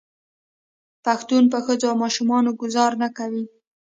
پښتون په ښځو او ماشومانو ګذار نه کوي.